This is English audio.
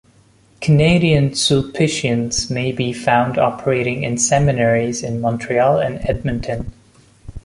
Canadian Sulpicians may be found operating in seminaries in Montreal and Edmonton.